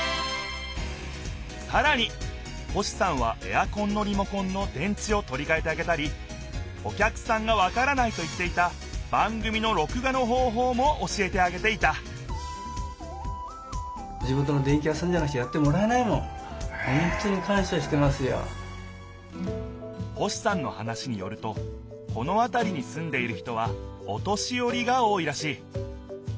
さらに星さんはエアコンのリモコンの電池をとりかえてあげたりお客さんがわからないといっていた番組のろく画の方ほうも教えてあげていた星さんの話によるとこのあたりにすんでいる人はお年よりが多いらしい。